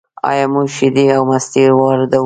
آیا موږ شیدې او مستې واردوو؟